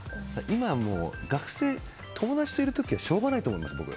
今は学生、友達といる時はしょうがないと思うんです。